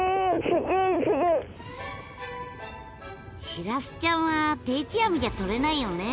シラスちゃんは定置網じゃとれないよね。